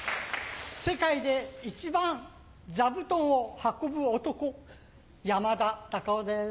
世界で一番座布団を運ぶ男山田隆夫です。